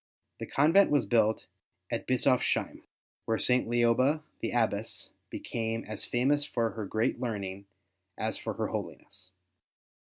The convent was built at Bischofsheim, where St. Lioba the Abbess became as famous for her great learning as for her holiness.